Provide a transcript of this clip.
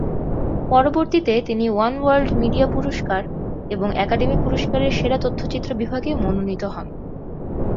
পরবর্তীতে তিনি "one world media পুরস্কার" এবং একাডেমি পুরস্কারের সেরা তথ্যচিত্র বিভাগে মনোনীত হন।